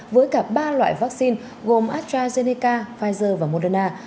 với cả ba loại vaccine gồm astrazeneca pfizer và moderna